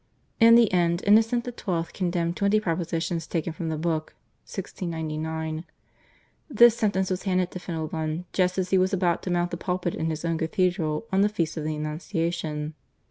In the end Innocent XII. condemned twenty propositions taken from the book (1699). This sentence was handed to Fenelon just as he was about to mount the pulpit in his own cathedral on the Feast of the Annunciation.